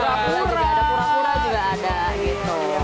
ular tulang juga ada gitu